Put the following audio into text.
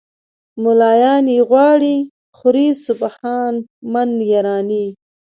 "ملایان یې غواړي خوري سبحان من یرانی".